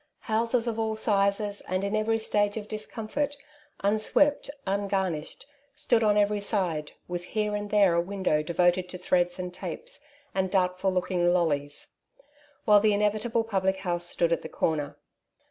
Houses of all sizes, and in every stage of discomfort, unswept, ungarnished, stood on every side, with here and there a window devoted to threads and tapes, and doubtful looking " lollies ;" while the inevitable public house stood at the comer.